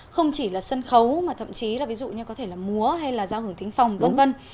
không chỉ là sân khấu mà thậm chí là ví dụ như có thể là múa hay là giao hưởng thính phòng v v